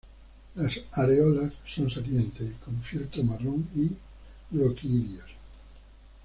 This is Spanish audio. Las areolas son salientes y con fieltro marrón y gloquidios.